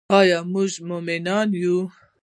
آیا موږ مومنان یو؟